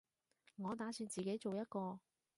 我打算自己做一個